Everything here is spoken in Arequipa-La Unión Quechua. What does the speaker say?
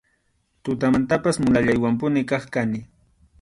Tutamantanpas mulallaywanpuni kaq kani.